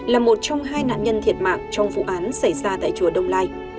là một trong hai nạn nhân thiệt mạng trong vụ án xảy ra tại chùa đông lai